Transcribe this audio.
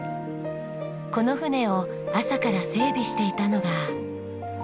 この船を朝から整備していたのが。